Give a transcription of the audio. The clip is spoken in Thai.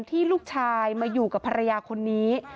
ที่ลูกชายมาอยู่กับภรรยาคนนี้